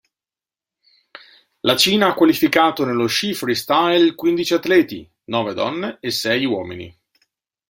La Cina ha qualificato nello sci freestyle quindici atleti, nove donne e sei uomini.